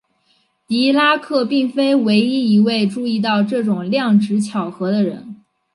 狄拉克并非唯一一位注意到这种量值巧合的人。